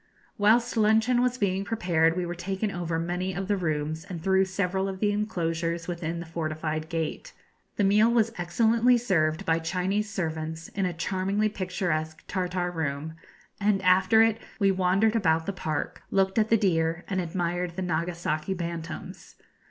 Whilst luncheon was being prepared we were taken over many of the rooms and through several of the enclosures within the fortified gate. The meal was excellently served by Chinese servants in a charmingly picturesque Tartar room, and after it we wandered about the park, looked at the deer, and admired the Nagasaki bantams.